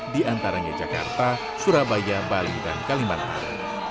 di antaranya jakarta surabaya bali dan kalimantan